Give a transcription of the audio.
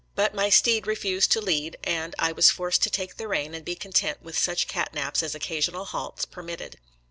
But my steed refused to lead and I was forced to take the rain and be con tent with such cat naps as occasional halts per mitted.